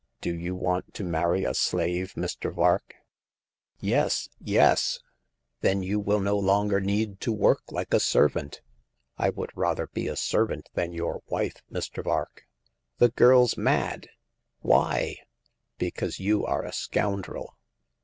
Do you want to marry a slave, Mr. Vark ?" Yes, yes ! Then you will no longer need to work like a servant." I would rather be a servant than your wife, Mr. Vark." "' The girrs mad ! Why ?''" Because you are a scoundrel."